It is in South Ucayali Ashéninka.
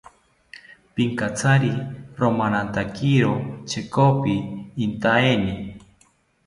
Pinkatsari romanatakiro chekopi intaeni